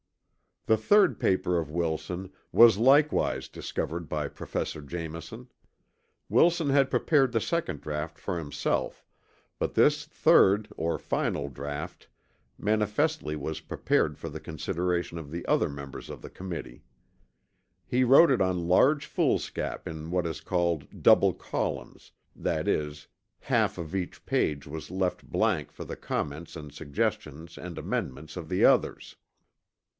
The third paper of Wilson was likewise discovered by Professor Jameson. Wilson had prepared the second draught for himself, but this third or final draught manifestly was prepared for the consideration of the other members of the Committee. He wrote it on large foolscap in what is called double columns, i. e. half of each page was left blank for the comments and suggestions and amendments of the others.